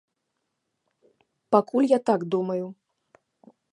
Пакуль я так думаю.